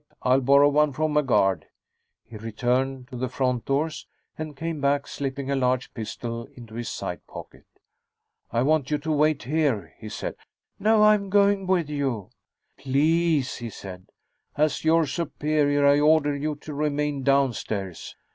I'll borrow one from a guard." He returned to the front doors, and came back, slipping a large pistol into his side pocket. "I want you to wait here," he said. "No. I'm going with you." "Please," he said. "As your superior, I order you to remain downstairs."